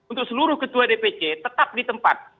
untuk seluruh ketua dpc tetap di tempat